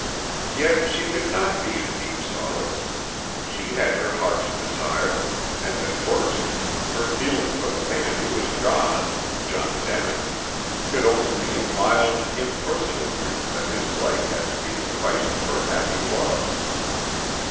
Yet she could not be in deep sorrow. She had her heart's desire, and at worst, her feeling for the man who was gone John Denin could only be a mild, impersonal grief that his life had to be the price of her happy love.